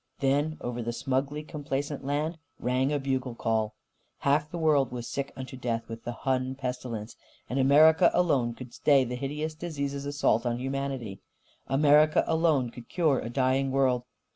Then, over the smugly complacent land, rang a bugle call. Half the world was sick unto death with the Hun pestilence, and America alone could stay the hideous disease's assault on humanity. America alone could cure a dying world.